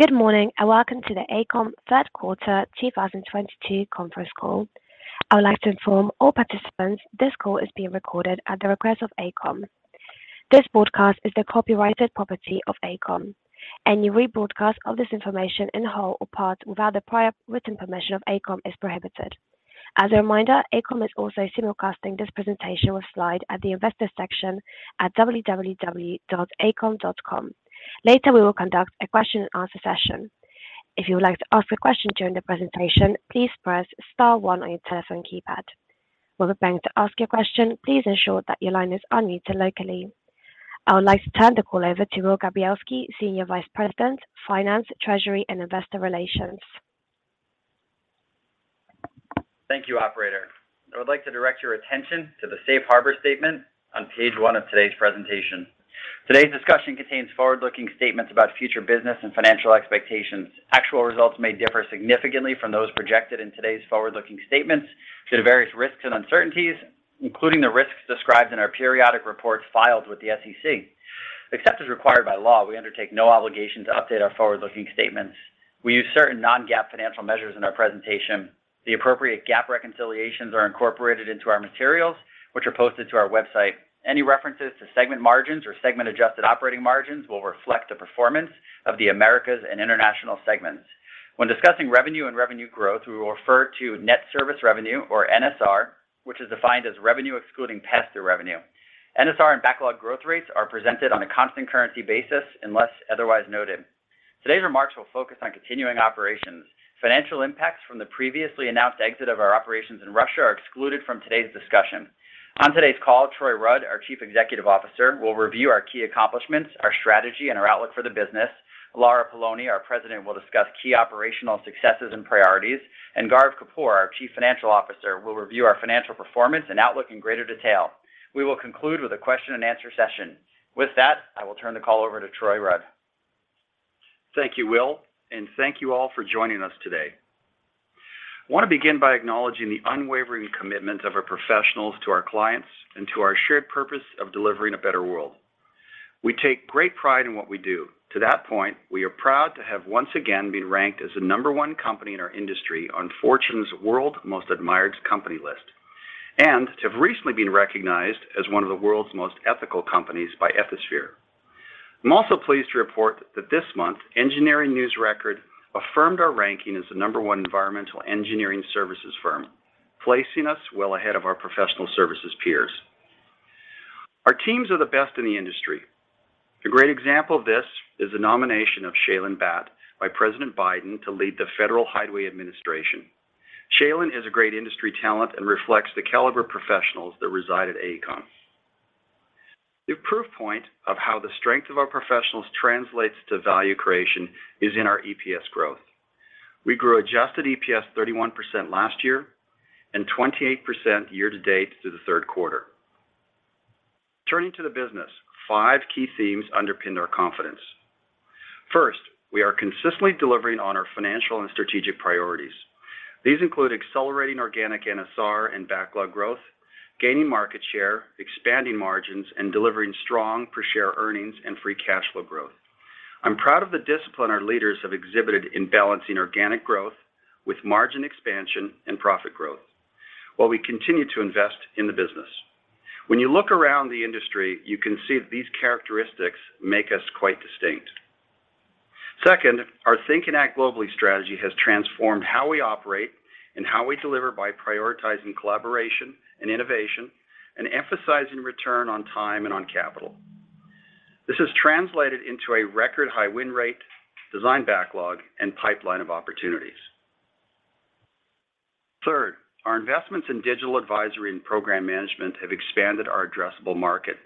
Good morning, and welcome to the AECOM Third Quarter 2022 Conference Call. I would like to inform all participants this call is being recorded at the request of AECOM. This broadcast is the copyrighted property of AECOM. Any rebroadcast of this information in whole or part without the prior written permission of AECOM is prohibited. As a reminder, AECOM is also simulcasting this presentation with slides at the Investors section at www.aecom.com. Later, we will conduct a question and answer session. If you would like to ask a question during the presentation, please press star one on your telephone keypad. While preparing to ask your question, please ensure that your line is unmuted locally. I would like to turn the call over to Will Gabrielski, Senior Vice President, Finance, Treasury, and Investor Relations. Thank you, operator. I would like to direct your attention to the safe harbor statement on page one of today's presentation. Today's discussion contains forward-looking statements about future business and financial expectations. Actual results may differ significantly from those projected in today's forward-looking statements due to various risks and uncertainties, including the risks described in our periodic reports filed with the SEC. Except as required by law, we undertake no obligation to update our forward-looking statements. We use certain non-GAAP financial measures in our presentation. The appropriate GAAP reconciliations are incorporated into our materials, which are posted to our website. Any references to segment margins or segment adjusted operating margins will reflect the performance of the Americas and International segments. When discussing revenue and revenue growth, we will refer to net service revenue or NSR, which is defined as revenue excluding pass-through revenue. NSR and backlog growth rates are presented on a constant currency basis unless otherwise noted. Today's remarks will focus on continuing operations. Financial impacts from the previously announced exit of our operations in Russia are excluded from today's discussion. On today's call, Troy Rudd, our Chief Executive Officer, will review our key accomplishments, our strategy, and our outlook for the business. Lara Poloni, our President, will discuss key operational successes and priorities. Gaurav Kapoor, our Chief Financial Officer, will review our financial performance and outlook in greater detail. We will conclude with a question and answer session. With that, I will turn the call over to Troy Rudd. Thank you, Will. Thank you all for joining us today. I want to begin by acknowledging the unwavering commitment of our professionals to our clients and to our shared purpose of delivering a better world. We take great pride in what we do. To that point, we are proud to have once again been ranked as the number one company in our industry on Fortune's World's Most Admired Companies list, and to have recently been recognized as one of the world's most ethical companies by Ethisphere. I'm also pleased to report that this month, Engineering News-Record affirmed our ranking as the number one environmental engineering services firm, placing us well ahead of our professional services peers. Our teams are the best in the industry. A great example of this is the nomination of Shailen Bhatt by President Biden to lead the Federal Highway Administration. Shailen is a great industry talent and reflects the caliber of professionals that reside at AECOM. The proof point of how the strength of our professionals translates to value creation is in our EPS growth. We grew adjusted EPS 31% last year and 28% year to date through the third quarter. Turning to the business, five key themes underpin our confidence. First, we are consistently delivering on our financial and strategic priorities. These include accelerating organic NSR and backlog growth, gaining market share, expanding margins, and delivering strong per share earnings and free cash flow growth. I'm proud of the discipline our leaders have exhibited in balancing organic growth with margin expansion and profit growth, while we continue to invest in the business. When you look around the industry, you can see these characteristics make us quite distinct. Second, our Think and Act Globally strategy has transformed how we operate and how we deliver by prioritizing collaboration and innovation and emphasizing return on time and on capital. This has translated into a record high win rate, design backlog, and pipeline of opportunities. Third, our investments in digital advisory and program management have expanded our addressable market,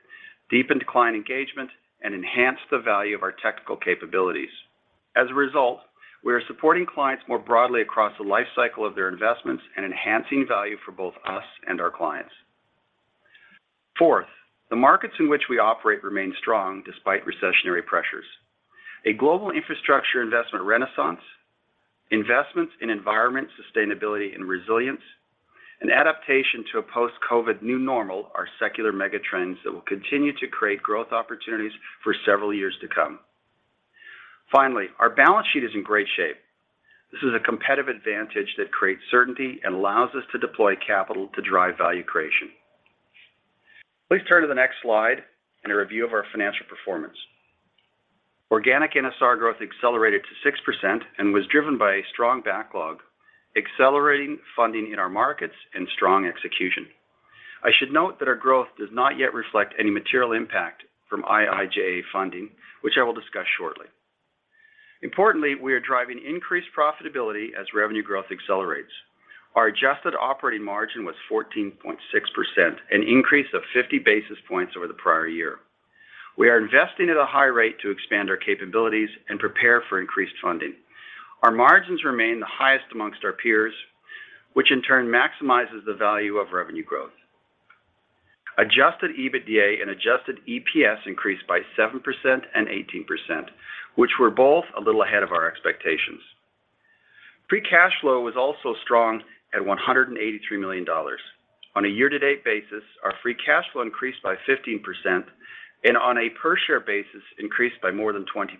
deepened client engagement, and enhanced the value of our technical capabilities. As a result, we are supporting clients more broadly across the lifecycle of their investments and enhancing value for both us and our clients. Fourth, the markets in which we operate remain strong despite recessionary pressures. A global infrastructure investment renaissance, investments in environmental, sustainability, and resilience, and adaptation to a post-COVID new normal are secular mega trends that will continue to create growth opportunities for several years to come. Finally, our balance sheet is in great shape. This is a competitive advantage that creates certainty and allows us to deploy capital to drive value creation. Please turn to the next slide and a review of our financial performance. Organic NSR growth accelerated to 6% and was driven by a strong backlog, accelerating funding in our markets, and strong execution. I should note that our growth does not yet reflect any material impact from IIJA funding, which I will discuss shortly. Importantly, we are driving increased profitability as revenue growth accelerates. Our adjusted operating margin was 14.6%, an increase of 50 basis points over the prior year. We are investing at a high rate to expand our capabilities and prepare for increased funding. Our margins remain the highest amongst our peers, which in turn maximizes the value of revenue growth. Adjusted EBITDA and adjusted EPS increased by 7% and 18%, which were both a little ahead of our expectations. Free cash flow was also strong at $183 million. On a year-to-date basis, our free cash flow increased by 15% and on a per-share basis, increased by more than 20%.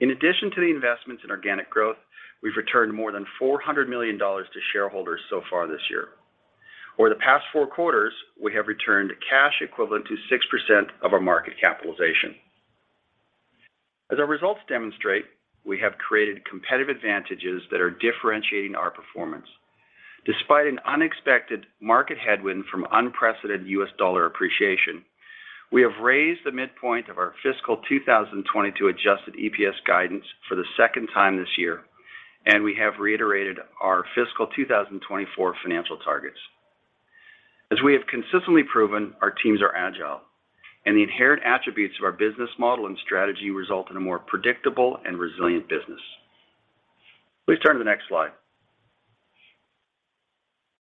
In addition to the investments in organic growth, we've returned more than $400 million to shareholders so far this year. Over the past four quarters, we have returned cash equivalent to 6% of our market capitalization. As our results demonstrate, we have created competitive advantages that are differentiating our performance. Despite an unexpected market headwind from unprecedented US dollar appreciation, we have raised the midpoint of our fiscal 2022 adjusted EPS guidance for the second time this year, and we have reiterated our fiscal 2024 financial targets. As we have consistently proven, our teams are agile, and the inherent attributes of our business model and strategy result in a more predictable and resilient business. Please turn to the next slide.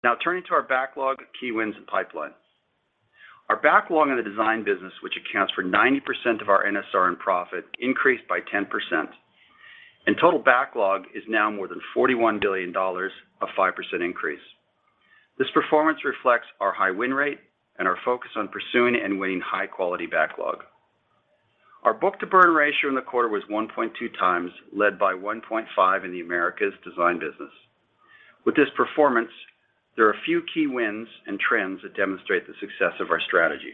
Now turning to our backlog, key wins and pipeline. Our backlog in the design business, which accounts for 90% of our NSR and profit, increased by 10%. Total backlog is now more than $41 billion, a 5% increase. This performance reflects our high win rate and our focus on pursuing and winning high-quality backlog. Our book-to-burn ratio in the quarter was 1.2x, led by 1.5x in the Americas design business. With this performance, there are a few key wins and trends that demonstrate the success of our strategy.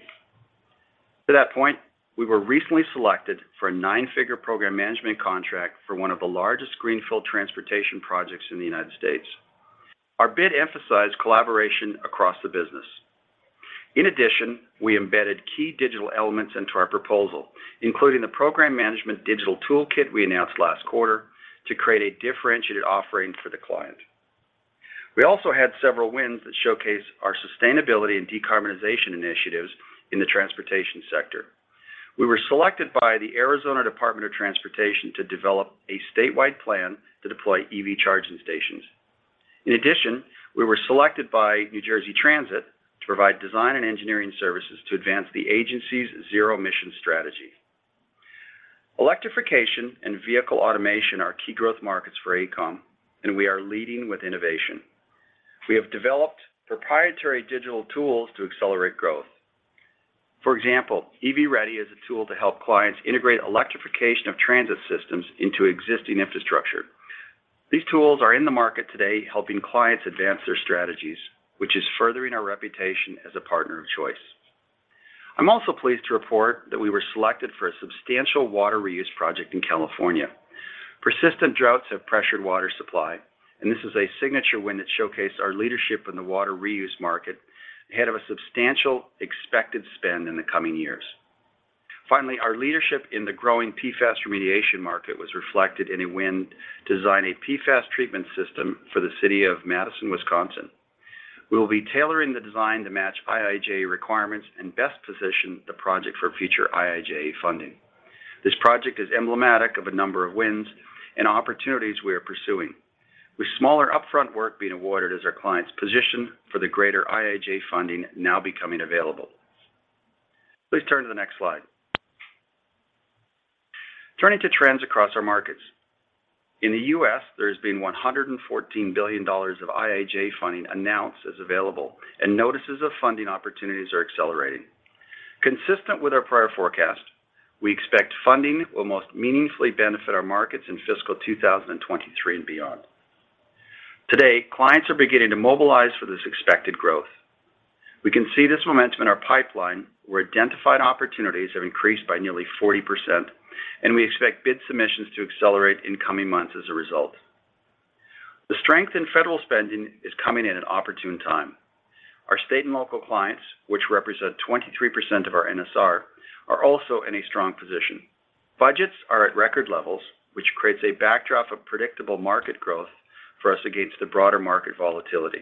To that point, we were recently selected for a nine-figure program management contract for one of the largest greenfield transportation projects in the United States. Our bid emphasized collaboration across the business. In addition, we embedded key digital elements into our proposal, including the program management digital toolkit we announced last quarter to create a differentiated offering for the client. We also had several wins that showcase our sustainability and decarbonization initiatives in the transportation sector. We were selected by the Arizona Department of Transportation to develop a statewide plan to deploy EV charging stations. In addition, we were selected by NJ TRANSIT to provide design and engineering services to advance the agency's zero emission strategy. Electrification and vehicle automation are key growth markets for AECOM, and we are leading with innovation. We have developed proprietary digital tools to accelerate growth. For example, EV Ready is a tool to help clients integrate electrification of transit systems into existing infrastructure. These tools are in the market today helping clients advance their strategies, which is furthering our reputation as a partner of choice. I'm also pleased to report that we were selected for a substantial water reuse project in California. Persistent droughts have pressured water supply, and this is a signature win that showcased our leadership in the water reuse market ahead of a substantial expected spend in the coming years. Finally, our leadership in the growing PFAS remediation market was reflected in a win to design a PFAS treatment system for the city of Madison, Wisconsin. We will be tailoring the design to match IIJA requirements and best position the project for future IIJA funding. This project is emblematic of a number of wins and opportunities we are pursuing, with smaller upfront work being awarded as our clients position for the greater IIJA funding now becoming available. Please turn to the next slide. Turning to trends across our markets. In the U.S., there has been $114 billion of IIJA funding announced as available and notices of funding opportunities are accelerating. Consistent with our prior forecast, we expect funding will most meaningfully benefit our markets in fiscal 2023 and beyond. Today, clients are beginning to mobilize for this expected growth. We can see this momentum in our pipeline, where identified opportunities have increased by nearly 40%, and we expect bid submissions to accelerate in coming months as a result. The strength in federal spending is coming in an opportune time. Our state and local clients, which represent 23% of our NSR, are also in a strong position. Budgets are at record levels, which creates a backdrop of predictable market growth for us against the broader market volatility.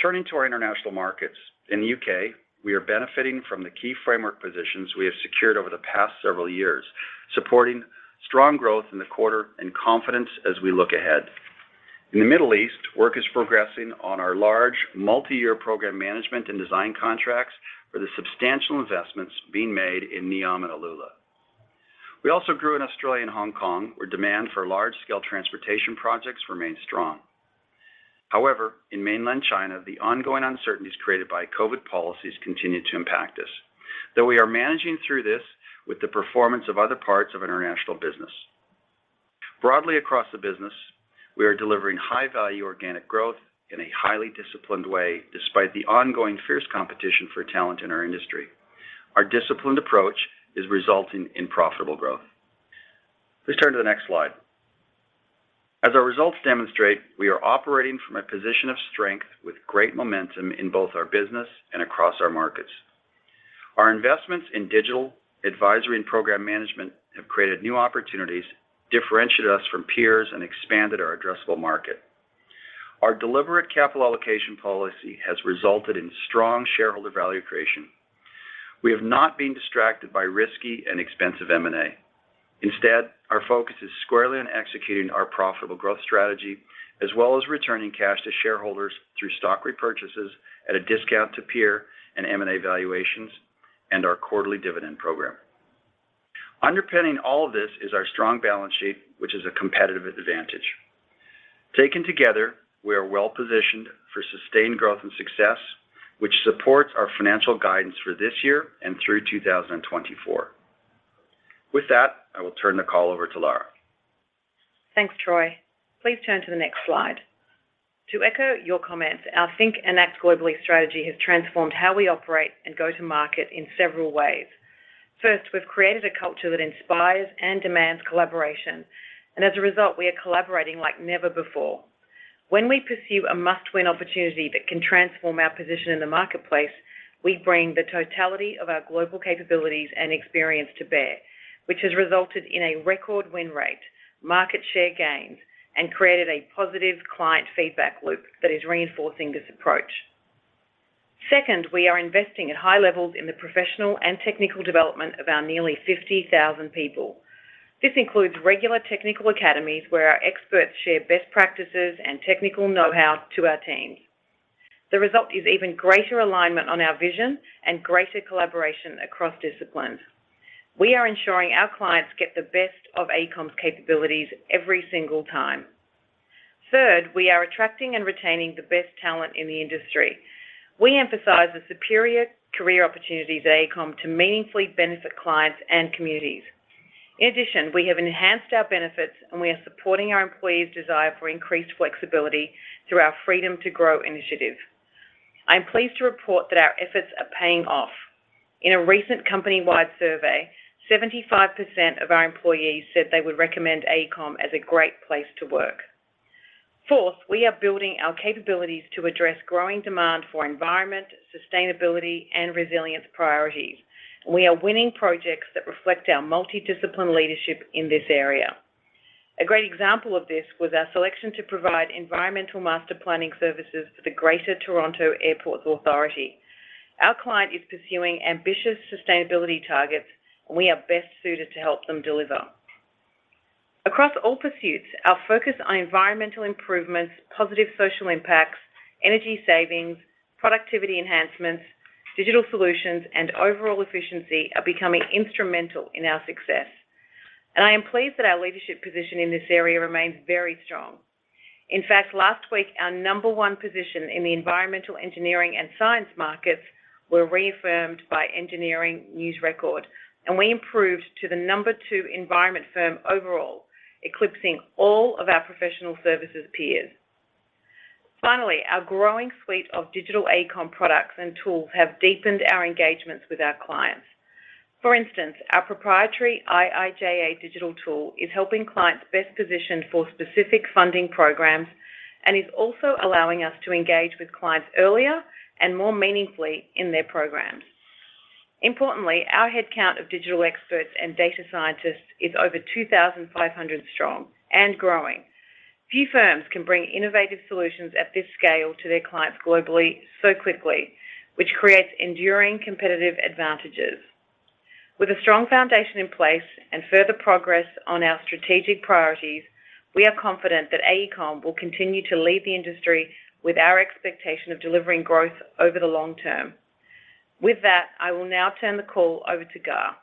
Turning to our international markets. In the U.K., we are benefiting from the key framework positions we have secured over the past several years, supporting strong growth in the quarter and confidence as we look ahead. In the Middle East, work is progressing on our large multi-year program management and design contracts for the substantial investments being made in NEOM and AlUla. We also grew in Australia and Hong Kong, where demand for large-scale transportation projects remained strong. However, in mainland China, the ongoing uncertainties created by COVID policies continued to impact us. Though we are managing through this with the performance of other parts of international business. Broadly across the business, we are delivering high-value organic growth in a highly disciplined way despite the ongoing fierce competition for talent in our industry. Our disciplined approach is resulting in profitable growth. Please turn to the next slide. As our results demonstrate, we are operating from a position of strength with great momentum in both our business and across our markets. Our investments in digital advisory and program management have created new opportunities, differentiated us from peers, and expanded our addressable market. Our deliberate capital allocation policy has resulted in strong shareholder value creation. We have not been distracted by risky and expensive M&A. Instead, our focus is squarely on executing our profitable growth strategy, as well as returning cash to shareholders through stock repurchases at a discount to peer and M&A valuations. Our quarterly dividend program. Underpinning all of this is our strong balance sheet, which is a competitive advantage. Taken together, we are well-positioned for sustained growth and success, which supports our financial guidance for this year and through 2024. With that, I will turn the call over to Lara. Thanks, Troy. Please turn to the next slide. To echo your comments, our Think and Act Globally strategy has transformed how we operate and go to market in several ways. First, we've created a culture that inspires and demands collaboration. As a result, we are collaborating like never before. When we pursue a must-win opportunity that can transform our position in the marketplace, we bring the totality of our global capabilities and experience to bear, which has resulted in a record win rate, market share gains, and created a positive client feedback loop that is reinforcing this approach. Second, we are investing at high levels in the professional and technical development of our nearly 50,000 people. This includes regular technical academies where our experts share best practices and technical know-how to our teams. The result is even greater alignment on our vision and greater collaboration across disciplines. We are ensuring our clients get the best of AECOM's capabilities every single time. Third, we are attracting and retaining the best talent in the industry. We emphasize the superior career opportunities at AECOM to meaningfully benefit clients and communities. In addition, we have enhanced our benefits, and we are supporting our employees' desire for increased flexibility through our Freedom to Grow initiative. I'm pleased to report that our efforts are paying off. In a recent company-wide survey, 75% of our employees said they would recommend AECOM as a great place to work. Fourth, we are building our capabilities to address growing demand for environmental, sustainability, and resilience priorities. We are winning projects that reflect our multidisciplinary leadership in this area. A great example of this was our selection to provide environmental master planning services for the Greater Toronto Airports Authority. Our client is pursuing ambitious sustainability targets, and we are best suited to help them deliver. Across all pursuits, our focus on environmental improvements, positive social impacts, energy savings, productivity enhancements, digital solutions, and overall efficiency are becoming instrumental in our success. I am pleased that our leadership position in this area remains very strong. In fact, last week, our number one position in the environmental engineering and science markets were reaffirmed by Engineering News-Record, and we improved to the number two environmental firm overall, eclipsing all of our professional services peers. Finally, our growing suite of digital AECOM products and tools have deepened our engagements with our clients. For instance, our proprietary IIJA digital tool is helping clients best position for specific funding programs and is also allowing us to engage with clients earlier and more meaningfully in their programs. Importantly, our headcount of digital experts and data scientists is over 2,500 strong and growing. Few firms can bring innovative solutions at this scale to their clients globally so quickly, which creates enduring competitive advantages. With a strong foundation in place and further progress on our strategic priorities, we are confident that AECOM will continue to lead the industry with our expectation of delivering growth over the long term. With that, I will now turn the call over to Gaurav.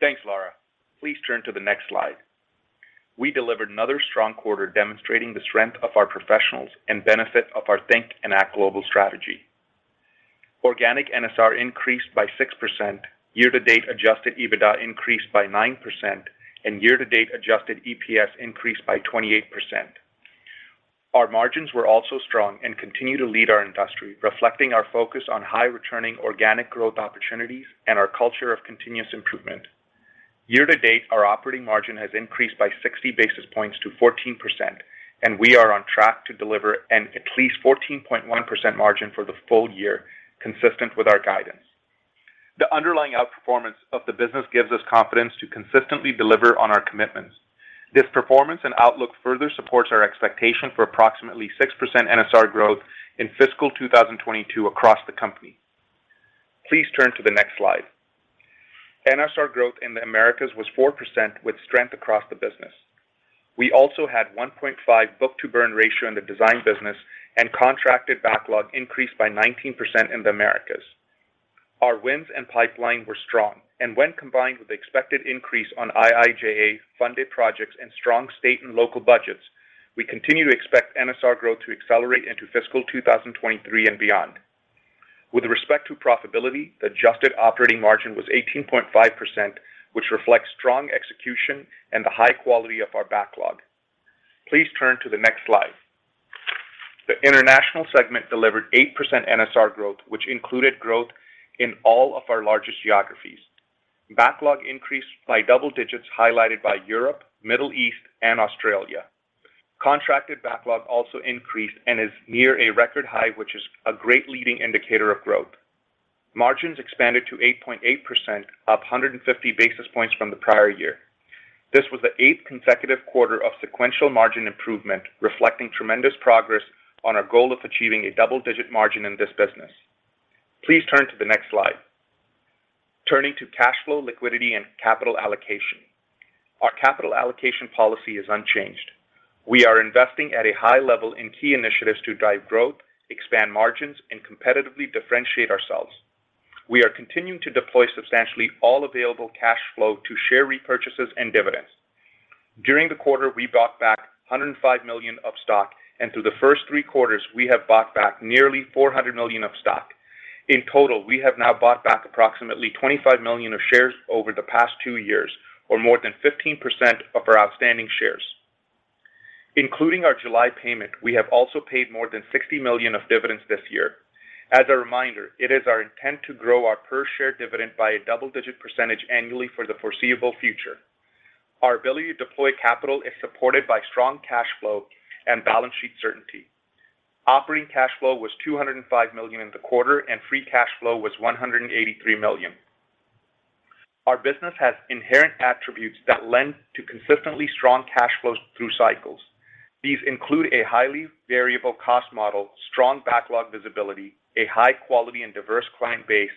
Thanks, Lara. Please turn to the next slide. We delivered another strong quarter demonstrating the strength of our professionals and benefit of our Think and Act Globally strategy. Organic NSR increased by 6%, year-to-date adjusted EBITDA increased by 9%, and year-to-date adjusted EPS increased by 28%. Our margins were also strong and continue to lead our industry, reflecting our focus on high returning organic growth opportunities and our culture of continuous improvement. Year to date, our operating margin has increased by 60 basis points to 14%, and we are on track to deliver an at least 14.1% margin for the full year, consistent with our guidance. The underlying outperformance of the business gives us confidence to consistently deliver on our commitments. This performance and outlook further supports our expectation for approximately 6% NSR growth in fiscal 2022 across the company. Please turn to the next slide. NSR growth in the Americas was 4% with strength across the business. We also had 1.5 book-to-burn ratio in the design business and contracted backlog increased by 19% in the Americas. Our wins and pipeline were strong, and when combined with the expected increase on IIJA-funded projects and strong state and local budgets, we continue to expect NSR growth to accelerate into fiscal 2023 and beyond. With respect to profitability, the adjusted operating margin was 18.5%, which reflects strong execution and the high quality of our backlog. Please turn to the next slide. The international segment delivered 8% NSR growth, which included growth in all of our largest geographies. Backlog increased by double digits, highlighted by Europe, Middle East, and Australia. Contracted backlog also increased and is near a record high, which is a great leading indicator of growth. Margins expanded to 8.8%, up 150 basis points from the prior year. This was the eighth consecutive quarter of sequential margin improvement, reflecting tremendous progress on our goal of achieving a double-digit margin in this business. Please turn to the next slide. Turning to cash flow, liquidity, and capital allocation. Our capital allocation policy is unchanged. We are investing at a high level in key initiatives to drive growth, expand margins, and competitively differentiate ourselves. We are continuing to deploy substantially all available cash flow to share repurchases and dividends. During the quarter, we bought back $105 million of stock, and through the first three quarters, we have bought back nearly $400 million of stock. In total, we have now bought back approximately 25 million of shares over the past two years or more than 15% of our outstanding shares. Including our July payment, we have also paid more than $60 million of dividends this year. As a reminder, it is our intent to grow our per share dividend by a double-digit % annually for the foreseeable future. Our ability to deploy capital is supported by strong cash flow and balance sheet certainty. Operating cash flow was $205 million in the quarter, and free cash flow was $183 million. Our business has inherent attributes that lend to consistently strong cash flows through cycles. These include a highly variable cost model, strong backlog visibility, a high quality and diverse client base,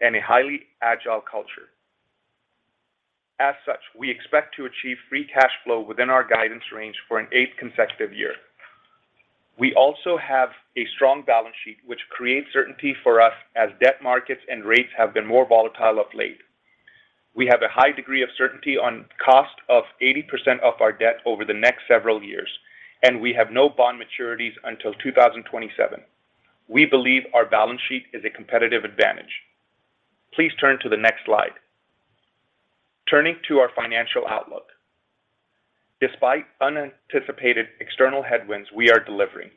and a highly agile culture. As such, we expect to achieve free cash flow within our guidance range for an eighth consecutive year. We also have a strong balance sheet, which creates certainty for us as debt markets and rates have been more volatile of late. We have a high degree of certainty on cost of 80% of our debt over the next several years, and we have no bond maturities until 2027. We believe our balance sheet is a competitive advantage. Please turn to the next slide. Turning to our financial outlook. Despite unanticipated external headwinds, we are delivering.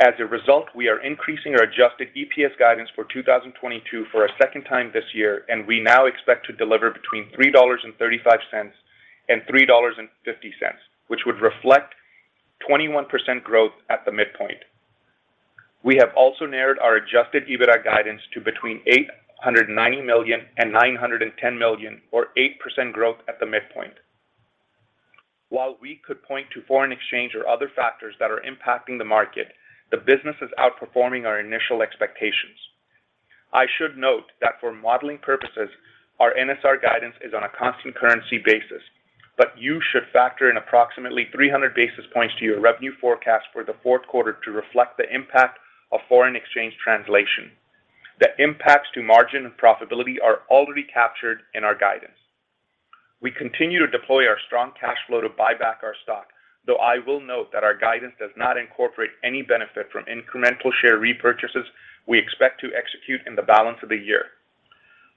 As a result, we are increasing our adjusted EPS guidance for 2022 for a second time this year, and we now expect to deliver between $3.35 and $3.50, which would reflect 21% growth at the midpoint. We have also narrowed our adjusted EBITDA guidance to between $890 million and $910 million or 8% growth at the midpoint. While we could point to foreign exchange or other factors that are impacting the market, the business is outperforming our initial expectations. I should note that for modeling purposes, our NSR guidance is on a constant currency basis, but you should factor in approximately 300 basis points to your revenue forecast for the fourth quarter to reflect the impact of foreign exchange translation. The impacts to margin and profitability are already captured in our guidance. We continue to deploy our strong cash flow to buy back our stock, though I will note that our guidance does not incorporate any benefit from incremental share repurchases we expect to execute in the balance of the year.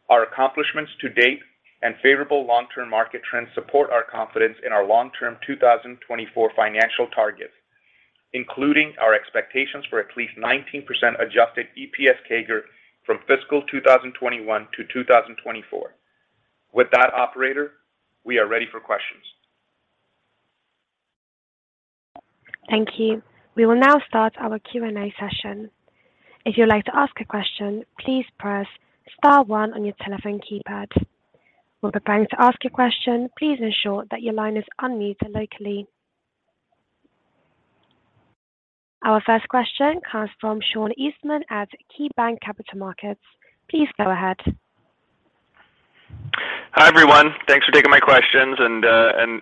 Our accomplishments to date and favorable long-term market trends support our confidence in our long-term 2024 financial targets, including our expectations for at least 19% adjusted EPS CAGR from fiscal 2021 to 2024. With that operator, we are ready for questions. Thank you. We will now start our Q&A session. If you'd like to ask a question, please press star one on your telephone keypad. When preparing to ask your question, please ensure that your line is unmuted locally. Our first question comes from Sean Eastman at KeyBanc Capital Markets. Please go ahead. Hi, everyone. Thanks for taking my questions and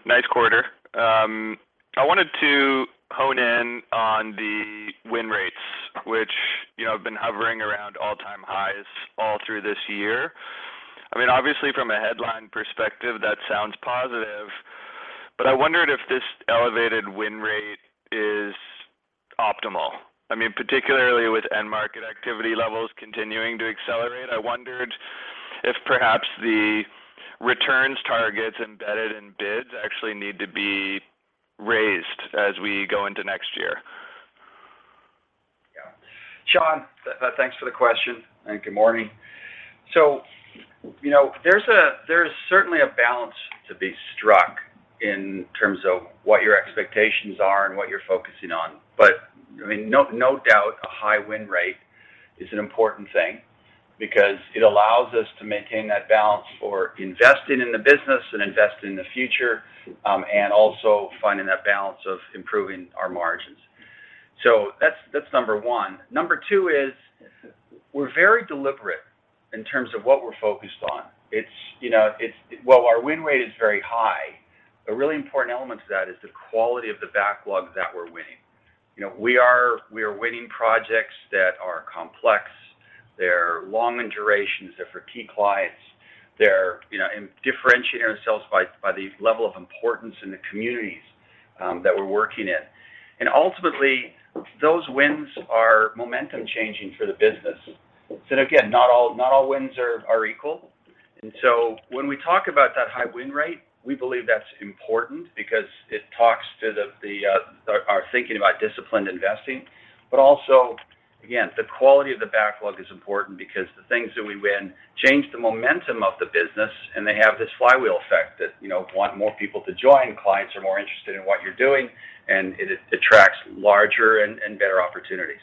nice quarter. I wanted to hone in on the win rates, which, you know, have been hovering around all-time highs all through this year. I mean, obviously from a headline perspective, that sounds positive, but I wondered if this elevated win rate is optimal. I mean, particularly with end market activity levels continuing to accelerate, I wondered if perhaps the returns targets embedded in bids actually need to be raised as we go into next year. Yeah. Sean, thanks for the question, and good morning. You know, there's certainly a balance to be struck in terms of what your expectations are and what you're focusing on. I mean, no doubt, a high win rate is an important thing because it allows us to maintain that balance for investing in the business and investing in the future, and also finding that balance of improving our margins. That's number one. Number two is we're very deliberate in terms of what we're focused on. You know, while our win rate is very high, a really important element to that is the quality of the backlog that we're winning. You know, we are winning projects that are complex. They're long in duration, they're for key clients. You know, differentiating ourselves by the level of importance in the communities that we're working in. Ultimately, those wins are momentum changing for the business. Again, not all wins are equal. When we talk about that high win rate, we believe that's important because it talks to our thinking about disciplined investing. Also, again, the quality of the backlog is important because the things that we win change the momentum of the business, and they have this flywheel effect that you know want more people to join, clients are more interested in what you're doing, and it attracts larger and better opportunities.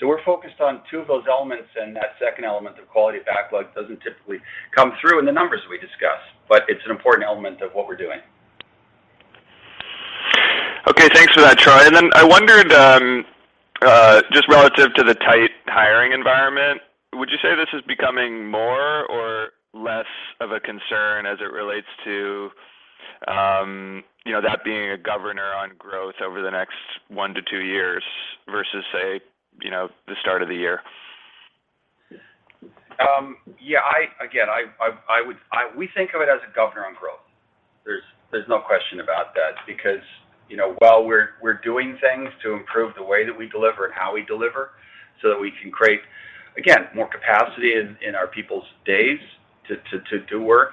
We're focused on two of those elements, and that second element of quality of backlog doesn't typically come through in the numbers we discuss, but it's an important element of what we're doing. Thanks for that, Troy. I wondered, just relative to the tight hiring environment, would you say this is becoming more or less of a concern as it relates to, you know, that being a governor on growth over the next one to two years versus, say, you know, the start of the year? Yeah. Again, we think of it as a governor on growth. There's no question about that because, you know, while we're doing things to improve the way that we deliver and how we deliver so that we can create, again, more capacity in our people's days to do work,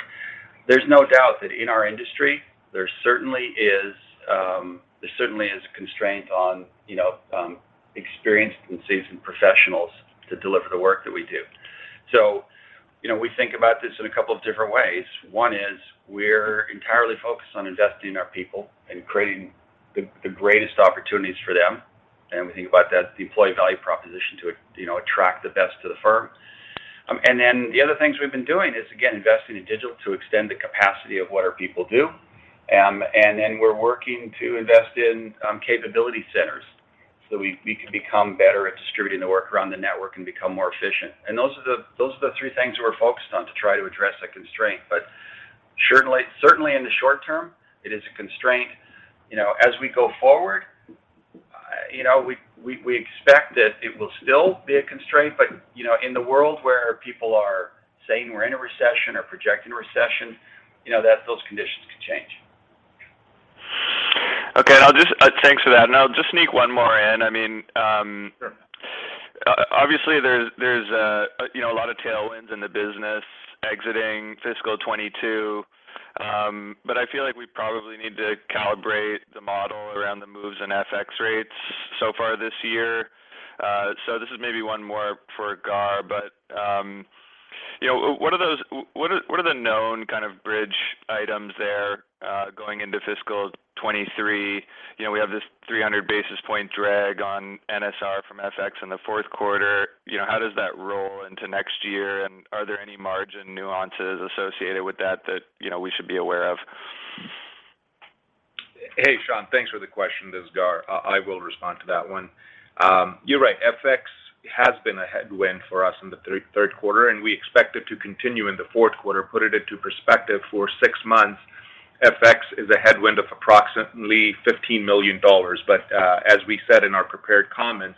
there's no doubt that in our industry, there certainly is constraint on, you know, experienced and seasoned professionals to deliver the work that we do. You know, we think about this in a couple of different ways. One is we're entirely focused on investing in our people and creating the greatest opportunities for them, and we think about that as the employee value proposition to, you know, attract the best to the firm. The other things we've been doing is, again, investing in digital to extend the capacity of what our people do. We're working to invest in capability centers so we can become better at distributing the work around the network and become more efficient. Those are the three things we're focused on to try to address that constraint. Certainly in the short term, it is a constraint. You know, as we go forward, you know, we expect that it will still be a constraint, but you know, in the world where people are saying we're in a recession or projecting a recession, you know, that those conditions could change. Okay. Thanks for that, and I'll just sneak one more in. I mean, Sure. Obviously, there's you know, a lot of tailwinds in the business exiting fiscal 2022. I feel like we probably need to calibrate the model around the moves in FX rates so far this year. This is maybe one more for Gar. You know, what are the known kind of bridge items there going into fiscal 2023? You know, we have this 300 basis point drag on NSR from FX in the fourth quarter. You know, how does that roll into next year, and are there any margin nuances associated with that that you know, we should be aware of? Hey, Sean. Thanks for the question. This is Gar. I will respond to that one. You're right. FX has been a headwind for us in the third quarter, and we expect it to continue in the fourth quarter. Put it into perspective, for six months, FX is a headwind of approximately $15 million. But as we said in our prepared comments,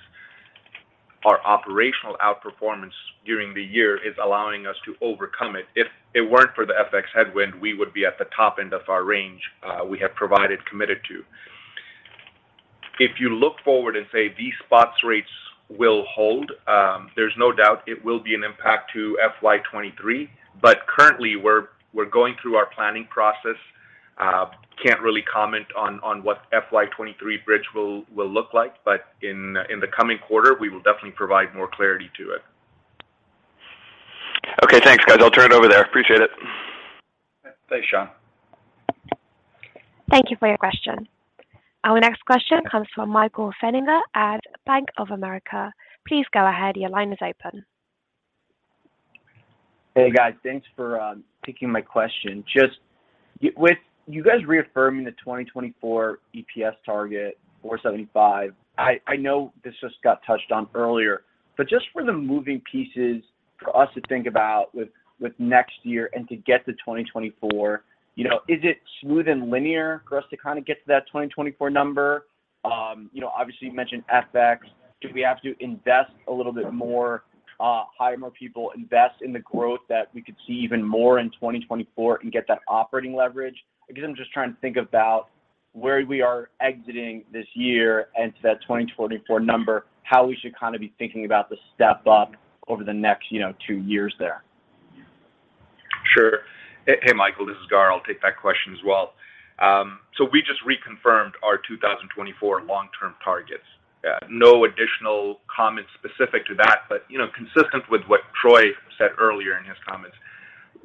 our operational outperformance during the year is allowing us to overcome it. If it weren't for the FX headwind, we would be at the top end of our range we have provided and committed to. If you look forward and say these spot rates will hold, there's no doubt it will be an impact to FY 2023. But currently, we're going through our planning process. Can't really comment on what FY 2023 bridge will look like. In the coming quarter, we will definitely provide more clarity to it. Okay. Thanks, guys. I'll turn it over there. Appreciate it. Thanks, Sean. Thank you for your question. Our next question comes from Michael Feniger at Bank of America. Please go ahead. Your line is open. Hey, guys. Thanks for taking my question. Just with you guys reaffirming the 2024 EPS target for 75, I know this just got touched on earlier, but just for the moving pieces for us to think about with next year and to get to 2024, you know, is it smooth and linear for us to kinda get to that 2024 number? You know, obviously, you mentioned FX. Do we have to invest a little bit more, hire more people, invest in the growth that we could see even more in 2024 and get that operating leverage? I guess I'm just trying to think about where we are exiting this year and to that 2024 number, how we should kinda be thinking about the step up over the next, you know, two years there. Sure. Hey, Michael. This is Gaurav Kapoor. I'll take that question as well. So we just reconfirmed our 2024 long-term targets. No additional comments specific to that, but, you know, consistent with what Troy Rudd said earlier in his comments,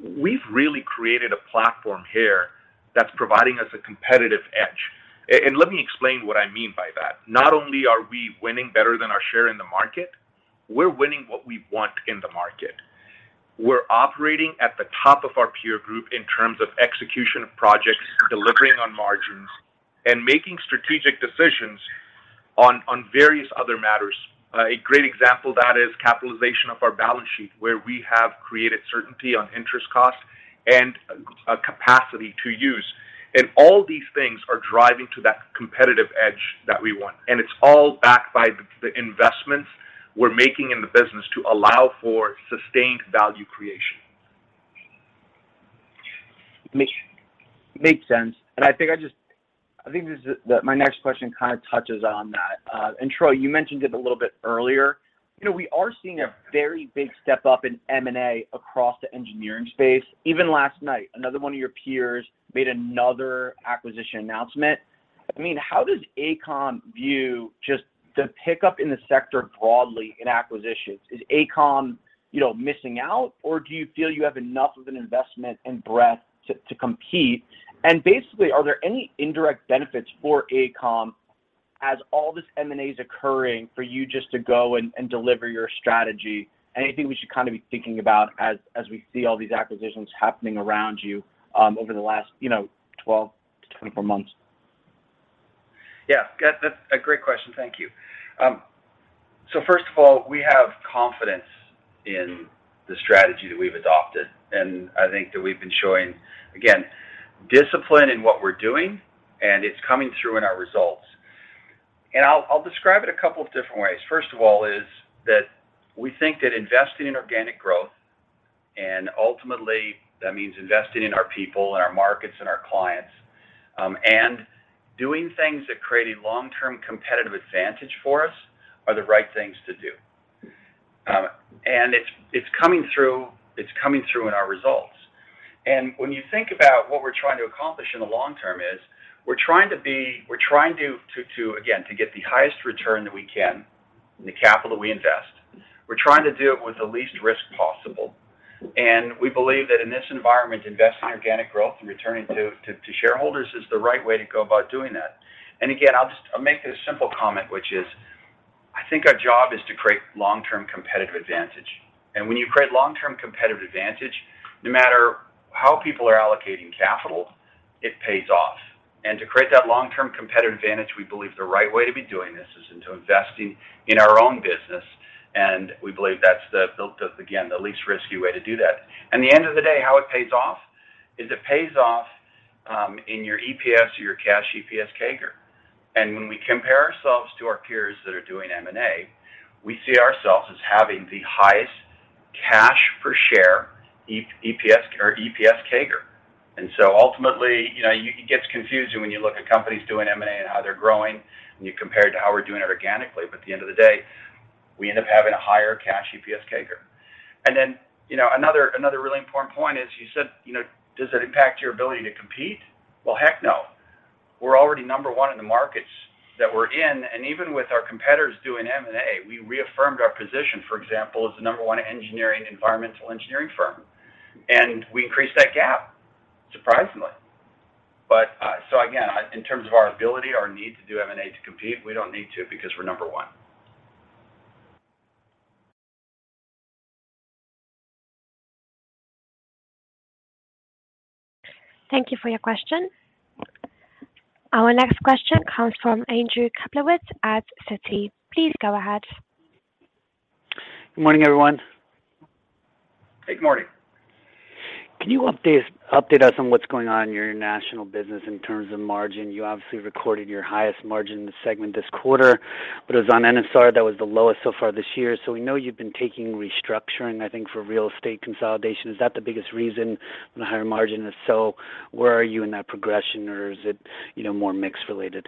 we've really created a platform here that's providing us a competitive edge. Let me explain what I mean by that. Not only are we winning better than our share in the market, we're winning what we want in the market. We're operating at the top of our peer group in terms of execution of projects, delivering on margins, and making strategic decisions on various other matters. A great example that is capitalization of our balance sheet, where we have created certainty on interest costs and a capacity to use. All these things are driving to that competitive edge that we want, and it's all backed by the investments we're making in the business to allow for sustained value creation. Makes sense. I think my next question kinda touches on that. Troy, you mentioned it a little bit earlier. You know, we are seeing a very big step up in M&A across the engineering space. Even last night, another one of your peers made another acquisition announcement. I mean, how does AECOM view just the pickup in the sector broadly in acquisitions? Is AECOM, you know, missing out, or do you feel you have enough of an investment and breadth to compete? Basically, are there any indirect benefits for AECOM as all this M&A is occurring for you just to go and deliver your strategy? Anything we should kinda be thinking about as we see all these acquisitions happening around you, over the last, you know, 12-24 months? Yeah. That's a great question. Thank you. First of all, we have confidence in the strategy that we've adopted. I think that we've been showing, again, discipline in what we're doing, and it's coming through in our results. I'll describe it a couple of different ways. First of all is that we think that investing in organic growth, and ultimately, that means investing in our people and our markets and our clients, and doing things that create a long-term competitive advantage for us are the right things to do. And it's coming through in our results. When you think about what we're trying to accomplish in the long term is, we're trying to, again, to get the highest return that we can in the capital we invest. We're trying to do it with the least risk possible. We believe that in this environment, investing in organic growth and returning to shareholders is the right way to go about doing that. Again, I'll just make a simple comment, which is, I think our job is to create long-term competitive advantage. When you create long-term competitive advantage, no matter how people are allocating capital, it pays off. To create that long-term competitive advantage, we believe the right way to be doing this is investing in our own business, and we believe that's the least risky way to do that. At the end of the day, how it pays off is it pays off in your EPS or your cash EPS CAGR. When we compare ourselves to our peers that are doing M&A, we see ourselves as having the highest cash per share EPS or EPS CAGR. Ultimately, you know, it gets confusing when you look at companies doing M&A and how they're growing, and you compare it to how we're doing it organically. At the end of the day, we end up having a higher cash EPS CAGR. You know, another really important point is you said, you know, does it impact your ability to compete? Well, heck no. We're already number one in the markets that we're in, and even with our competitors doing M&A, we reaffirmed our position, for example, as the number one engineering, environmental engineering firm, and we increased that gap, surprisingly. Again, in terms of our ability, our need to do M&A to compete, we don't need to because we're number one. Thank you for your question. Our next question comes from Andrew Kaplowitz at Citigroup. Please go ahead. Good morning, everyone. Hey, good morning. Can you update us on what's going on in your international business in terms of margin? You obviously recorded your highest margin in the segment this quarter, but it was on NSR that was the lowest so far this year. We know you've been taking restructuring, I think, for real estate consolidation. Is that the biggest reason the higher margin? If so, where are you in that progression or is it, you know, more mix related?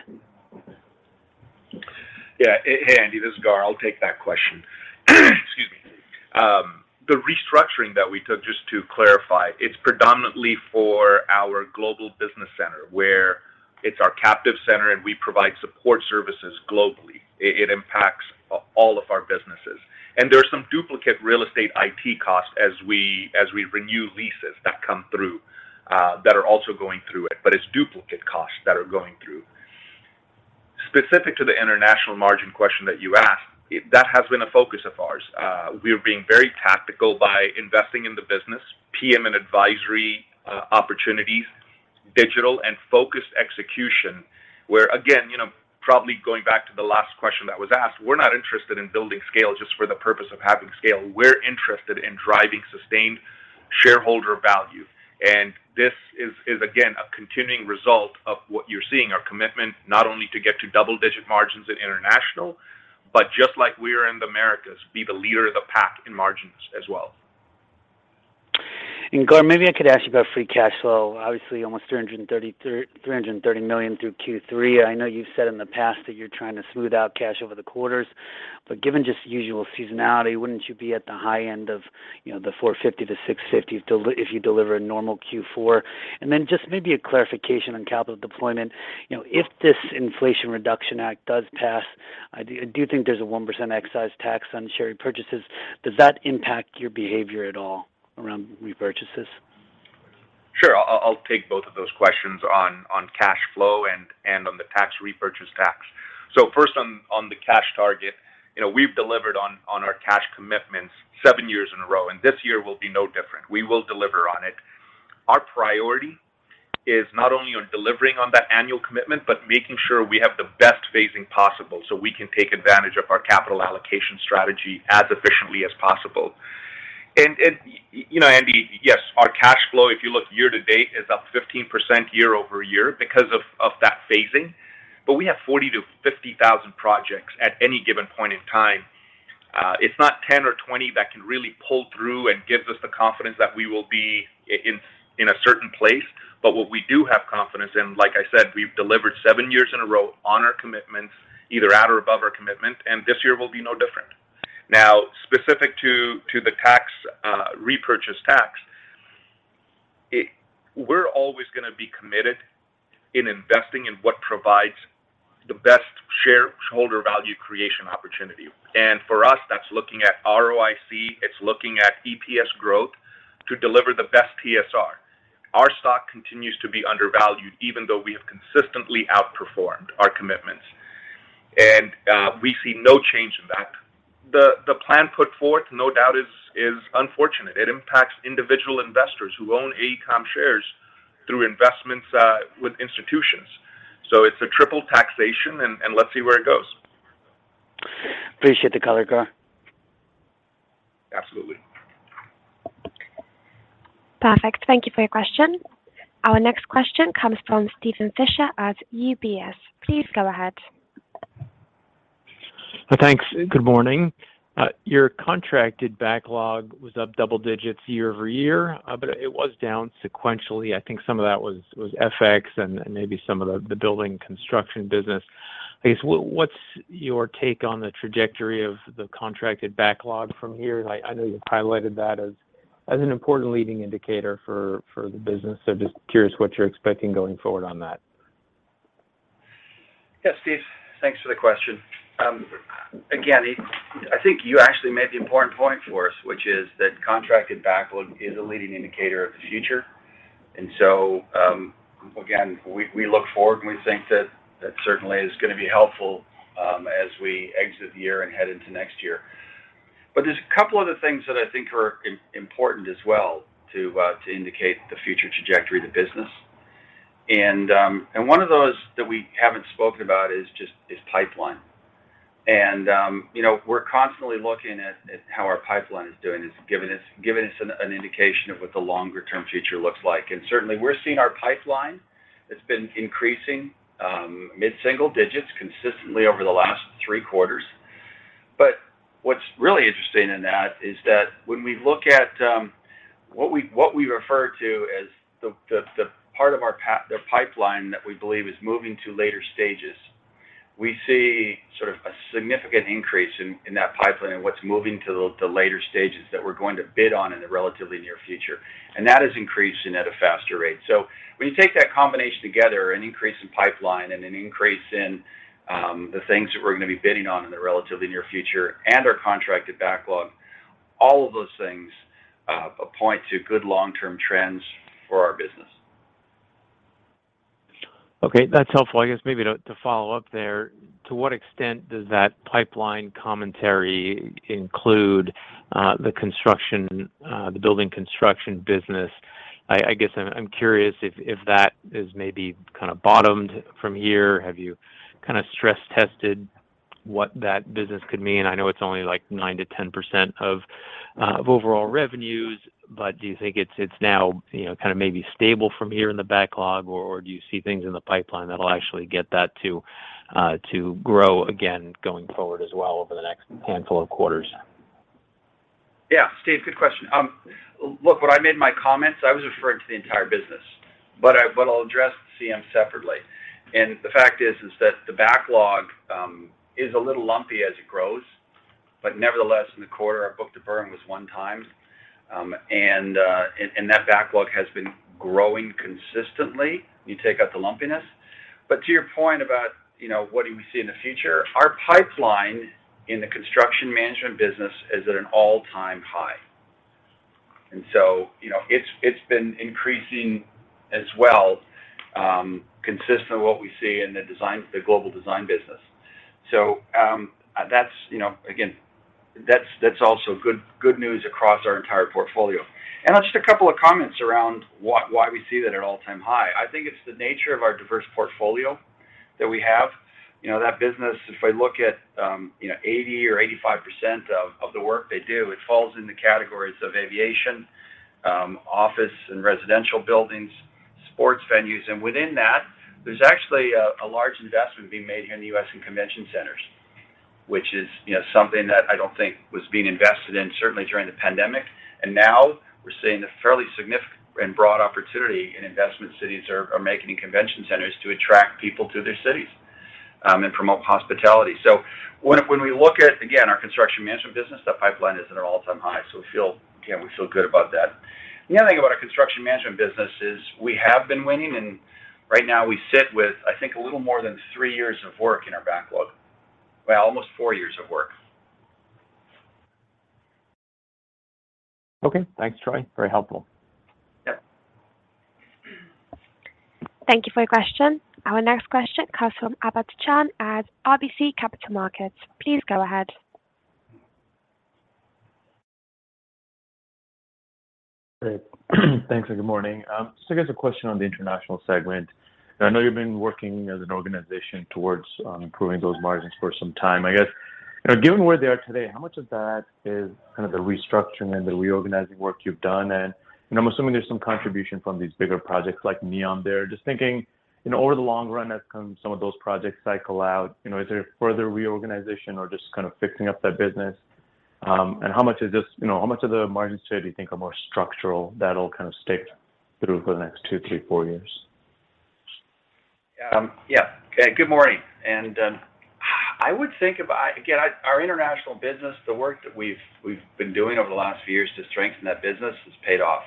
Yeah. Hey, Andy, this is Gaurav Kapoor. I'll take that question. Excuse me. The restructuring that we took, just to clarify, it's predominantly for our global business center, where it's our captive center and we provide support services globally. It impacts all of our businesses. There are some duplicate real estate IT costs as we renew leases that come through that are also going through it, but it's duplicate costs that are going through. Specific to the international margin question that you asked, it that has been a focus of ours. We are being very tactical by investing in the business, PM and advisory opportunities, digital and focused execution, where again, you know, probably going back to the last question that was asked, we're not interested in building scale just for the purpose of having scale. We're interested in driving sustained shareholder value. This is again a continuing result of what you're seeing, our commitment not only to get to double-digit margins in International, but just like we are in the Americas, be the leader of the pack in margins as well. Gaurav, maybe I could ask you about free cash flow. Obviously, almost $330 million through Q3. I know you've said in the past that you're trying to smooth out cash over the quarters. Given just the usual seasonality, wouldn't you be at the high end of, you know, the $450 million-$650 million if you deliver a normal Q4? Then just maybe a clarification on capital deployment. You know, if this Inflation Reduction Act does pass, do you think there's a 1% excise tax on share repurchases? Does that impact your behavior at all around repurchases? Sure. I'll take both of those questions on cash flow and on the tax repurchase tax. First on the cash target, you know, we've delivered on our cash commitments seven years in a row, and this year will be no different. We will deliver on it. Our priority is not only on delivering on that annual commitment, but making sure we have the best phasing possible, so we can take advantage of our capital allocation strategy as efficiently as possible. You know, Andy, yes, our cash flow, if you look year to date, is up 15% year-over-year because of that phasing. But we have 40,000-50,000 projects at any given point in time. It's not 10 or 20 that can really pull through and give us the confidence that we will be in a certain place. What we do have confidence in, like I said, we've delivered seven years in a row on our commitments, either at or above our commitment, and this year will be no different. Now, specific to the tax, repurchase tax, we're always gonna be committed in investing in what provides the best shareholder value creation opportunity. For us, that's looking at ROIC, it's looking at EPS growth to deliver the best TSR. Our stock continues to be undervalued even though we have consistently outperformed our commitments. We see no change in that. The plan put forth, no doubt is unfortunate. It impacts individual investors who own AECOM shares through investments with institutions. It's a triple taxation, and let's see where it goes. Appreciate the color, Gaurav Kapoor. Absolutely. Perfect. Thank you for your question. Our next question comes from Steven Fisher at UBS. Please go ahead. Thanks. Good morning. Your contracted backlog was up double digits year-over-year, but it was down sequentially. I think some of that was FX and maybe some of the building construction business. I guess, what's your take on the trajectory of the contracted backlog from here? Like, I know you've highlighted that as an important leading indicator for the business. So just curious what you're expecting going forward on that. Yeah, Steve. Thanks for the question. Again, I think you actually made the important point for us, which is that contracted backlog is a leading indicator of the future. Again, we look forward, and we think that that certainly is gonna be helpful, as we exit the year and head into next year. But there's a couple other things that I think are important as well to indicate the future trajectory of the business. One of those that we haven't spoken about is pipeline. You know, we're constantly looking at how our pipeline is doing. It's giving us an indication of what the longer term future looks like. Certainly we're seeing our pipeline that's been increasing mid-single digits consistently over the last three quarters. What's really interesting in that is that when we look at what we refer to as the part of our pipeline that we believe is moving to later stages, we see sort of a significant increase in that pipeline and what's moving to later stages that we're going to bid on in the relatively near future. That is increasing at a faster rate. When you take that combination together, an increase in pipeline and an increase in the things that we're gonna be bidding on in the relatively near future and our contracted backlog, all of those things point to good long-term trends for our business. Okay, that's helpful. I guess maybe to follow up there, to what extent does that pipeline commentary include the construction, the building construction business? I guess I'm curious if that is maybe kind of bottomed from here. Have you kind of stress tested what that business could mean? I know it's only like 9%-10% of overall revenues, but do you think it's now, you know, kind of maybe stable from here in the backlog or do you see things in the pipeline that'll actually get that to grow again going forward as well over the next handful of quarters? Yeah. Steve, good question. Look, when I made my comments, I was referring to the entire business, but I'll address CM separately. The fact is that the backlog is a little lumpy as it grows. Nevertheless, in the quarter, our book-to-burn was 1x. That backlog has been growing consistently, you take out the lumpiness. To your point about, you know, what do we see in the future, our pipeline in the construction management business is at an all-time high. You know, it's been increasing as well, consistent with what we see in the design, the global design business. That's, you know, again, that's also good news across our entire portfolio. Just a couple of comments around why we see that at all-time high. I think it's the nature of our diverse portfolio that we have. You know, that business, if I look at, you know, 80% or 85% of the work they do, it falls in the categories of aviation, office and residential buildings, sports venues. Within that, there's actually a large investment being made here in the U.S. in convention centers, which is, you know, something that I don't think was being invested in certainly during the pandemic. Now we're seeing a fairly significant and broad opportunity in investments cities are making in convention centers to attract people to their cities, and promote hospitality. When we look at, again, our construction management business, that pipeline is at an all-time high, so we feel, you know, we feel good about that. The other thing about our construction management business is we have been winning, and right now we sit with, I think, a little more than three years of work in our backlog. Well, almost four years of work. Okay. Thanks, Troy. Very helpful. Yeah. Thank you for your question. Our next question comes from Sabahat Khan at RBC Capital Markets. Please go ahead. Great. Thanks and good morning. I guess a question on the international segment. I know you've been working as an organization towards improving those margins for some time. I guess, you know, given where they are today, how much of that is kind of the restructuring and the reorganizing work you've done? I'm assuming there's some contribution from these bigger projects like Neom there. Just thinking, you know, over the long run as kind of some of those projects cycle out, you know, is there further reorganization or just kind of fixing up that business? How much is just, you know, how much of the margin today do you think are more structural that'll kind of stick through for the next two, three, four years? Okay, good morning. Again, our international business, the work that we've been doing over the last few years to strengthen that business has paid off.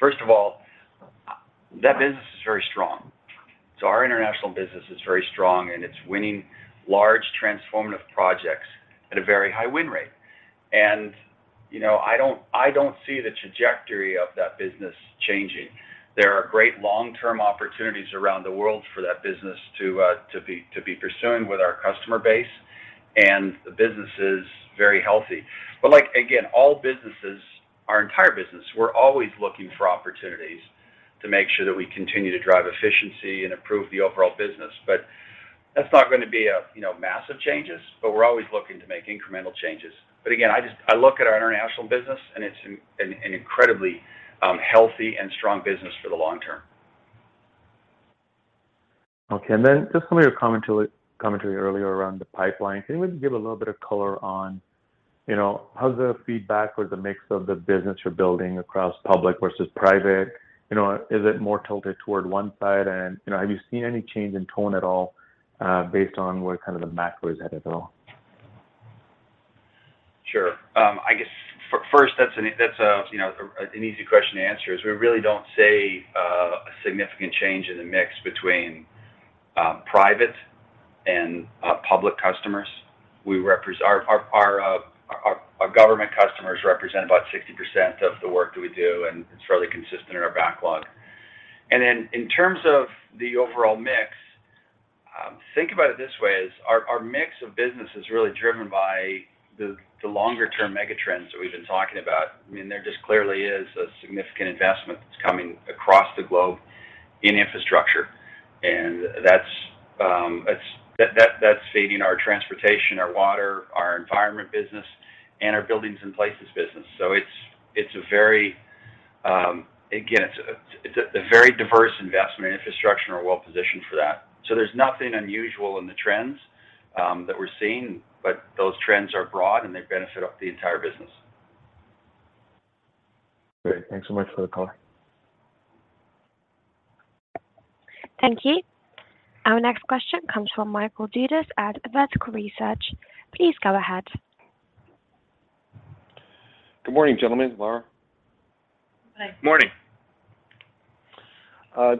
First of all, that business is very strong. Our international business is very strong, and it's winning large transformative projects at a very high win rate. You know, I don't see the trajectory of that business changing. There are great long-term opportunities around the world for that business to be pursuing with our customer base and the business is very healthy. But like, again, all businesses, our entire business, we're always looking for opportunities to make sure that we continue to drive efficiency and improve the overall business. But that's not gonna be a, you know, massive changes, but we're always looking to make incremental changes. I look at our international business and it's an incredibly healthy and strong business for the long term. Okay. Just some of your commentary earlier around the pipeline. Can you maybe give a little bit of color on, you know, how's the feedback or the mix of the business you're building across public versus private? You know, is it more tilted toward one side? You know, have you seen any change in tone at all, based on where kind of the macro is headed at all? Sure. I guess first that's an easy question to answer is we really don't see a significant change in the mix between private and public customers. Our government customers represent about 60% of the work that we do, and it's fairly consistent in our backlog. In terms of the overall mix, think about it this way, is our mix of business is really driven by the longer term mega trends that we've been talking about. I mean, there just clearly is a significant investment that's coming across the globe in infrastructure, and that's feeding our transportation, our water, our environment business, and our buildings and places business. It's a very diverse investment infrastructure, and we're well positioned for that. There's nothing unusual in the trends that we're seeing, but those trends are broad and they benefit the entire business. Great. Thanks so much for the color. Thank you. Our next question comes from Michael Dudas at Vertical Research Partners. Please go ahead. Good morning, gentlemen, Lara. Hi. Morning.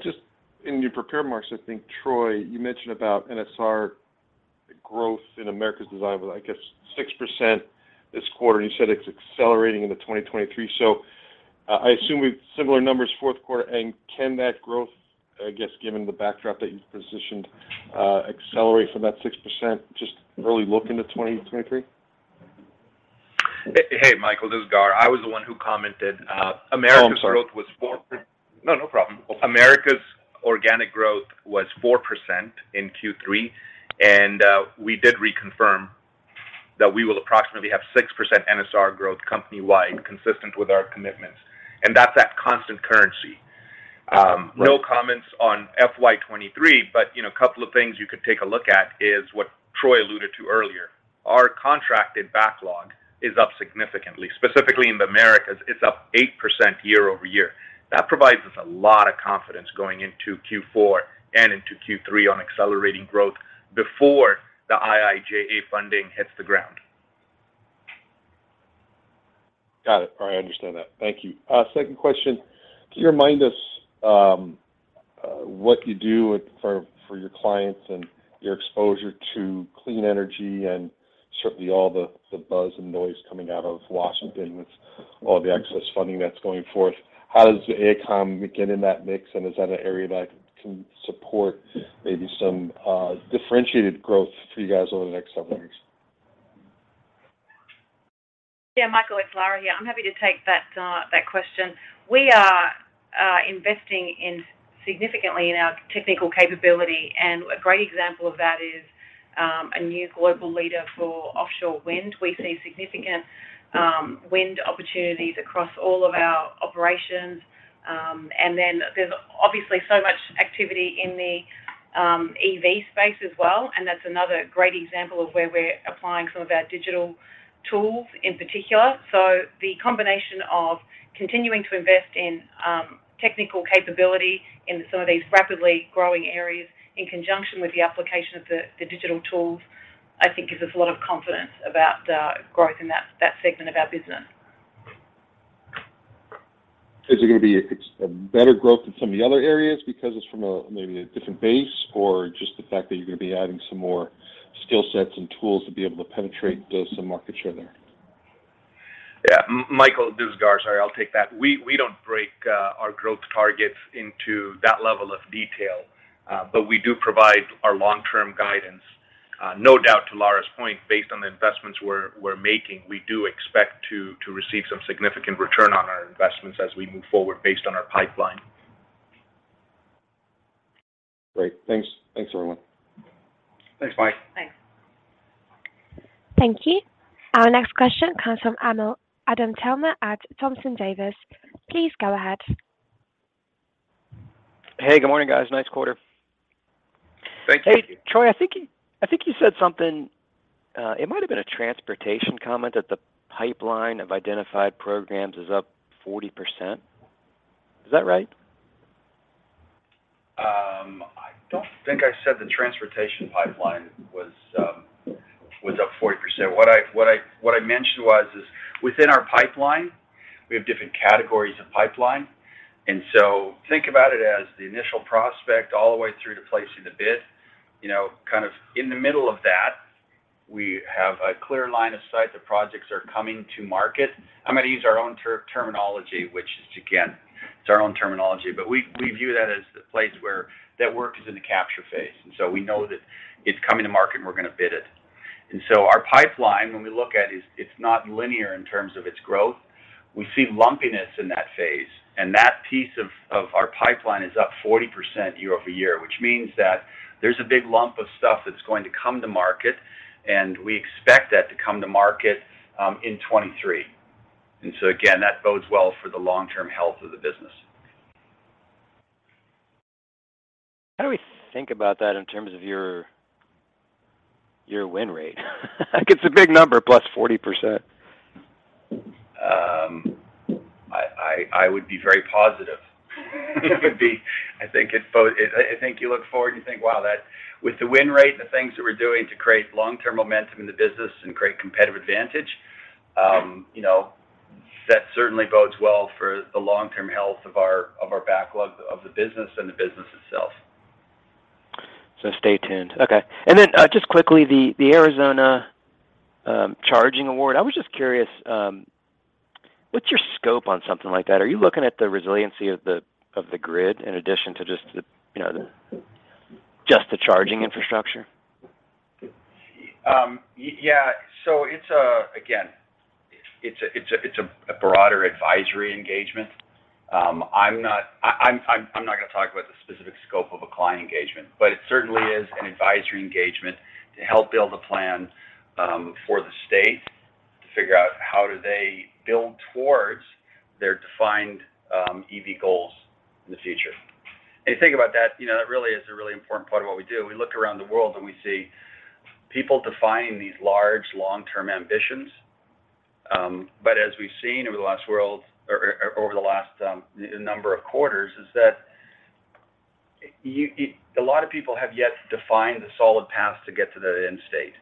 Just in your prepared remarks, I think, Troy, you mentioned about NSR growth in Americas design was, I guess, 6% this quarter, and you said it's accelerating into 2023. I assume we've similar numbers fourth quarter. Can that growth, I guess, given the backdrop that you've positioned, accelerate from that 6% just early look into 2023? Hey, Michael, this is Gaurav Kapoor. I was the one who commented. Americas growth was 4- Oh, I'm sorry. No, no problem. Americas' organic growth was 4% in Q3, and we did reconfirm that we will approximately have 6% NSR growth company-wide, consistent with our commitments. That's at constant currency. No comments on FY 2023, but you know, a couple of things you could take a look at is what Troy alluded to earlier. Our contracted backlog is up significantly, specifically in the Americas. It's up 8% year-over-year. That provides us a lot of confidence going into Q4 and into Q3 on accelerating growth before the IIJA funding hits the ground. Got it. All right. I understand that. Thank you. Second question. Can you remind us what you do for your clients and your exposure to clean energy and certainly all the buzz and noise coming out of Washington with all the excess funding that's going forth? How does AECOM fit in that mix, and is that an area that can support maybe some differentiated growth for you guys over the next several years? Yeah, Michael, it's Lara here. I'm happy to take that question. We are investing significantly in our technical capability, and a great example of that is a new global leader for offshore wind. We see significant wind opportunities across all of our operations. There's obviously so much activity in the EV space as well, and that's another great example of where we're applying some of our digital tools in particular. The combination of continuing to invest in technical capability in some of these rapidly growing areas in conjunction with the application of the digital tools, I think gives us a lot of confidence about growth in that segment of our business. Is it gonna be a better growth in some of the other areas because it's from maybe a different base or just the fact that you're gonna be adding some more skill sets and tools to be able to penetrate those, some market share there? Yeah. Michael, this is Gaurav. Sorry, I'll take that. We don't break our growth targets into that level of detail, but we do provide our long-term guidance. No doubt to Lara's point, based on the investments we're making, we do expect to receive some significant return on our investments as we move forward based on our pipeline. Great. Thanks. Thanks, everyone. Thanks, Mike. Thanks. Thank you. Our next question comes from Adam Thalhimer at Thompson Davis. Please go ahead. Hey, good morning, guys. Nice quarter. Thank you. Hey, Troy, I think you said something, it might've been a transportation comment that the pipeline of identified programs is up 40%. Is that right? I don't think I said the transportation pipeline was up 40%. What I mentioned is within our pipeline. We have different categories of pipeline. Think about it as the initial prospect all the way through to placing the bid, you know, kind of in the middle of that, we have a clear line of sight that projects are coming to market. I'm gonna use our own terminology, which is, again, it's our own terminology. We view that as the place where that work is in the capture phase. We know that it's coming to market, and we're gonna bid it. Our pipeline, when we look at it's not linear in terms of its growth. We see lumpiness in that phase, and that piece of our pipeline is up 40% year over year, which means that there's a big lump of stuff that's going to come to market, and we expect that to come to market in 2023. Again, that bodes well for the long-term health of the business. How do we think about that in terms of your win rate? It's a big number, +40%. I would be very positive. I think you look forward, and you think, "Wow, that." With the win rate and the things that we're doing to create long-term momentum in the business and create competitive advantage, you know, that certainly bodes well for the long-term health of our backlog of the business and the business itself. Stay tuned. Okay. Just quickly, the Arizona charging award. I was just curious, what's your scope on something like that? Are you looking at the resiliency of the grid in addition to just the, you know, charging infrastructure? Yeah. Again, it's a broader advisory engagement. I'm not gonna talk about the specific scope of a client engagement, but it certainly is an advisory engagement to help build a plan for the state to figure out how they build towards their defined EV goals in the future. Think about that. You know, that really is a really important part of what we do. We look around the world, and we see people defining these large, long-term ambitions. As we've seen over the last year or over the last number of quarters, a lot of people have yet to define the solid path to get to the end state.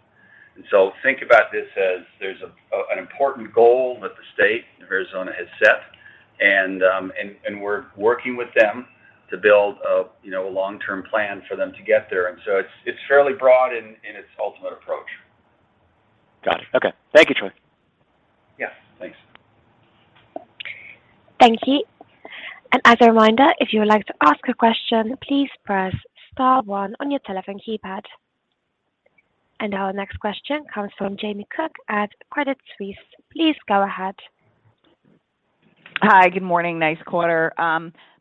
Think about this as there's an important goal that the state of Arizona has set and we're working with them to build a long-term plan for them to get there. It's fairly broad in its ultimate approach. Got it. Okay. Thank you, Troy. Yeah. Thanks. Thank you. As a reminder, if you would like to ask a question, please press star one on your telephone keypad. Our next question comes from Jamie Cook at Credit Suisse. Please go ahead. Hi. Good morning. Nice quarter.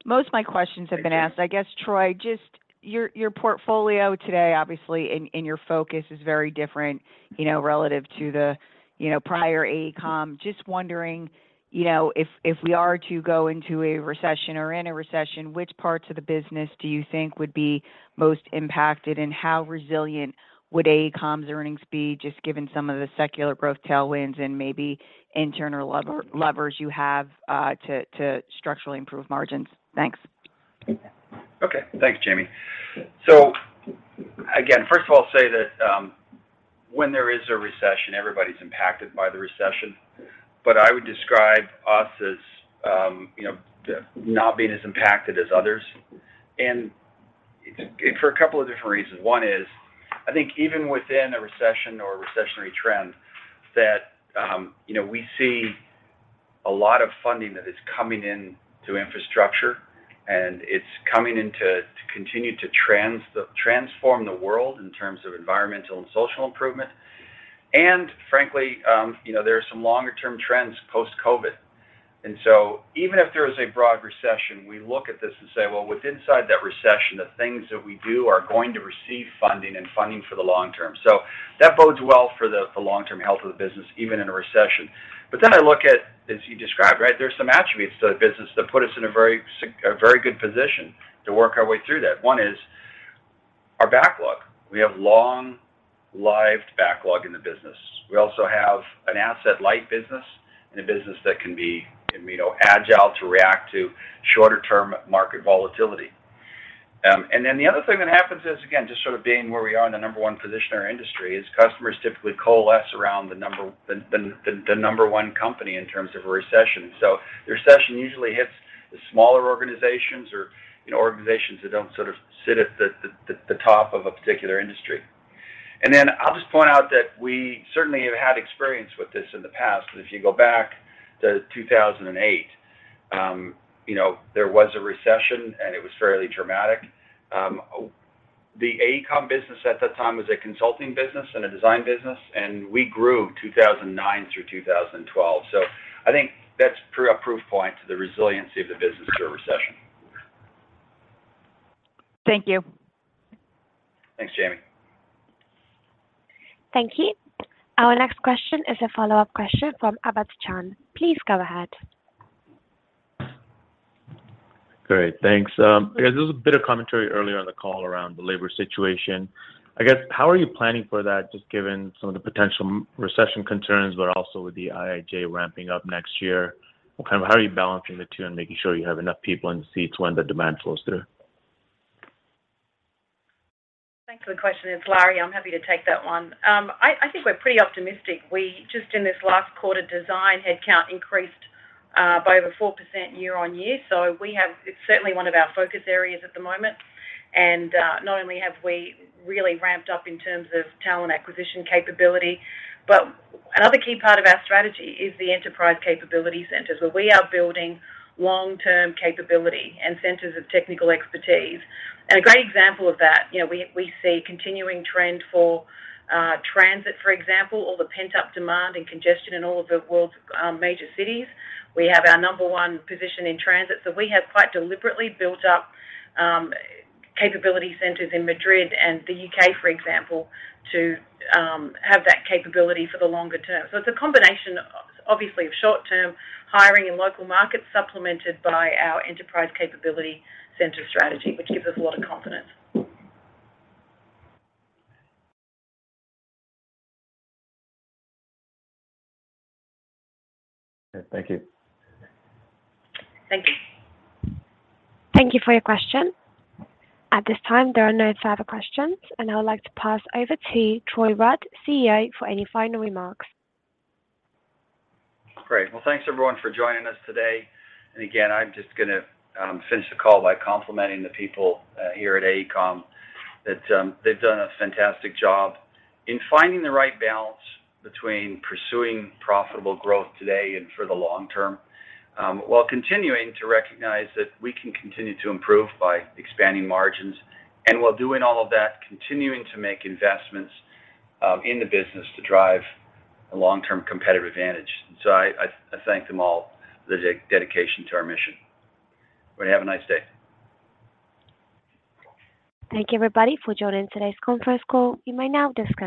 Most of my questions- Thanks, Jamie. have been asked. I guess, Troy, just your portfolio today, obviously, and your focus is very different, you know, relative to the, you know, prior AECOM. Just wondering, you know, if we are to go into a recession or in a recession, which parts of the business do you think would be most impacted, and how resilient would AECOM's earnings be just given some of the secular growth tailwinds and maybe internal levers you have to structurally improve margins? Thanks. Okay. Thanks, Jamie. Again, first of all, say that when there is a recession, everybody's impacted by the recession. I would describe us as you know, not being as impacted as others, and for a couple of different reasons. One is, I think even within a recession or a recessionary trend that you know, we see a lot of funding that is coming in to infrastructure, and it's coming in to continue to transform the world in terms of environmental and social improvement. Frankly, you know, there are some longer term trends post-COVID. Even if there is a broad recession, we look at this and say, "Well, with inside that recession, the things that we do are going to receive funding and funding for the long term." That bodes well for the long-term health of the business, even in a recession. I look at, as you described, right? There's some attributes to the business that put us in a very good position to work our way through that. One is our backlog. We have long lived backlog in the business. We also have an asset-light business and a business that can be, you know, agile to react to shorter term market volatility. The other thing that happens is, again, just sort of being where we are in the number one position in our industry, is customers typically coalesce around the number one company in terms of a recession. The recession usually hits the smaller organizations or, you know, organizations that don't sort of sit at the top of a particular industry. I'll just point out that we certainly have had experience with this in the past. If you go back to 2008, you know, there was a recession, and it was fairly dramatic. The AECOM business at that time was a consulting business and a design business, and we grew 2009 through 2012. I think that's a proof point to the resiliency of the business through a recession. Thank you. Thanks, Jamie. Thank you. Our next question is a follow-up question from Sabahat Khan. Please go ahead. Great. Thanks. I guess there was a bit of commentary earlier on the call around the labor situation. I guess, how are you planning for that, just given some of the potential recession concerns but also with the IIJA ramping up next year? How are you balancing the two and making sure you have enough people in the seats when the demand flows through? Good question. It's Lara. I'm happy to take that one. I think we're pretty optimistic. We just, in this last quarter, design headcount increased by over 4% year-over-year. We have. It's certainly one of our focus areas at the moment. Not only have we really ramped up in terms of talent acquisition capability, but another key part of our strategy is the enterprise capability centers, where we are building long-term capability and centers of technical expertise. A great example of that, you know, we see continuing trend for transit, for example, all the pent-up demand and congestion in all of the world's major cities. We have our number one position in transit. We have quite deliberately built up capability centers in Madrid and the U.K., for example, to have that capability for the longer term. It's a combination of, obviously of short-term hiring and local markets supplemented by our enterprise capability center strategy, which gives us a lot of confidence. Thank you. Thank you. Thank you for your question. At this time, there are no further questions, and I would like to pass over to Troy Rudd, CEO, for any final remarks. Great. Well, thanks everyone for joining us today. Again, I'm just gonna finish the call by complimenting the people here at AECOM that they've done a fantastic job in finding the right balance between pursuing profitable growth today and for the long term, while continuing to recognize that we can continue to improve by expanding margins and while doing all of that, continuing to make investments in the business to drive a long-term competitive advantage. I thank them all for their dedication to our mission. Everybody have a nice day. Thank you, everybody, for joining today's conference call. You may now disconnect.